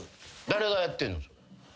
誰がやってんの？